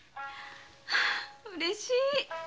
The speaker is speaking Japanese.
うれしい！